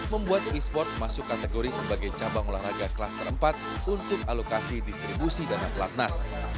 membuat esports masuk kategori sebagai cabang olahraga kelas keempat untuk alokasi distribusi dana pelatnas